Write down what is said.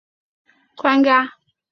武汉市优秀专家。